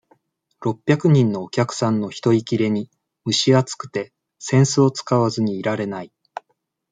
六百人のお客さんの人いきれに、むし暑くて、扇子を使わずにいられない。